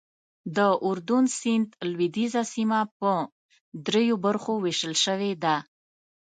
د اردن سیند لوېدیځه سیمه په دریو برخو ویشل شوې ده.